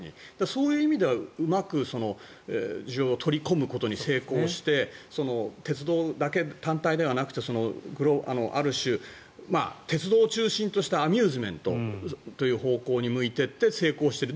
そういう意味ではうまく需要を取り込むことに成功して鉄道単体ではなくてある種、鉄道を中心としたアミューズメントという方向に向いていって成功している。